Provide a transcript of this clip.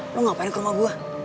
lo ngapain ke rumah gue